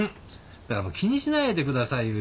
だから気にしないでくださいよ。